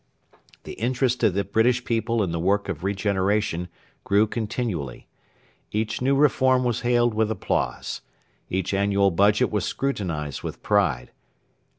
The interest of the British people in the work of regeneration grew continually. Each new reform was hailed with applause. Each annual Budget was scrutinised with pride.